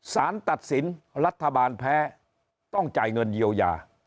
สารตัดสินรัฐบาลแพ้ต้องจ่ายเงินเยียวยา